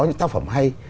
những tác phẩm hay